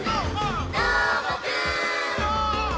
「どーもくん！」